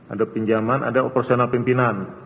ada pinjaman ada operasional pimpinan